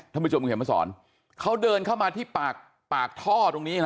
ถ้าผู้ชมเห็นมาสอนเขาเดินเข้ามาที่ปากท่อตรงนี้